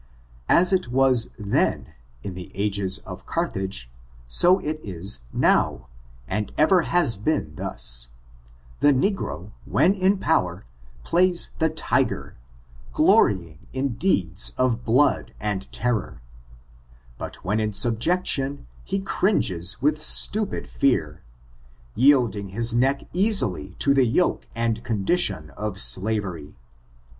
As it was then^ in the ages of Carthage, so it is noi^, and ever has been thus: the negro, when in power, plays the tiger, glorying in deeds of blood and terror; but when in subjection, he cringes with stupid fear, yielding his neck easily to the yoke and condition of slavery.